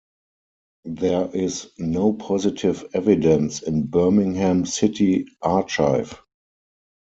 There is no positive evidence in Birmingham City Archive.